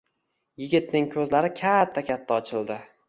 Yigitning ko`zlari katta-katta ochildi